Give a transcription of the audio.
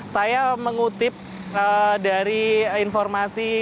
saya mengutip dari informasi